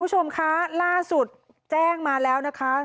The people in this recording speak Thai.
คุณผู้ชมคะล่าสุดแจ้งมาแล้วนะคะ